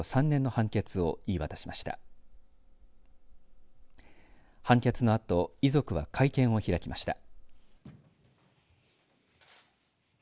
判決のあと遺族は会見を開きました。